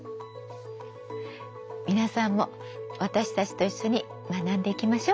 皆さんも私たちと一緒に学んでいきましょ。